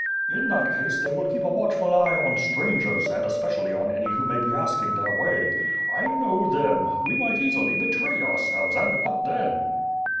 In that case they will keep a watchful eye on strangers and, especially, on any who may be asking their way. I know them; we might easily betray ourselves, and what then?'